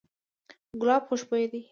ګلاب خوشبوی دی.